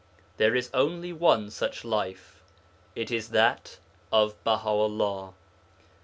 There is only one such life; it is that of Baha 'ullah.